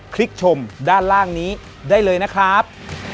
ลิกชมด้านล่างนี้ได้เลยนะครับ